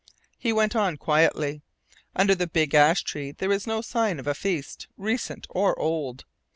He went on quietly. Under the big ash tree there was no sign of a feast, recent or old.